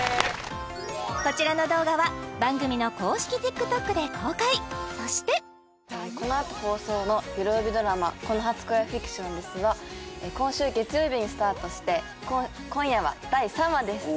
こちらの動画は番組の公式ＴｉｋＴｏｋで公開そしてこのあと放送のよるおびドラマ「この初恋はフィクションです」は今週月曜日にスタートして今夜は第３話です